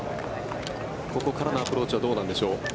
ここからのアプローチはどうなんでしょう？